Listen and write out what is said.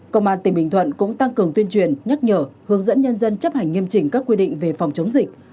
công an tỉnh bình thuận cũng tăng cường tuyên truyền nhắc nhở hướng dẫn nhân dân chấp hành nghiêm chỉnh các quy định về phòng chống dịch